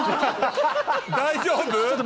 大丈夫？